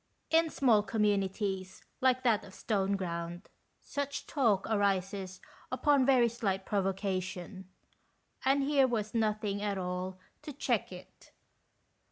In small communities, like that of Stoneground, such talk arises upon very slight provocation, and here was nothing at all to check it.